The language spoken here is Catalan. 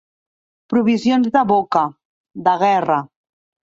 Provisions de boca, de guerra.